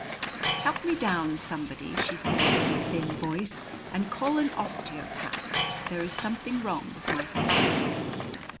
"Help me down, somebody," she said in a thin voice, "and call an osteopath. There is something wrong with my spine!"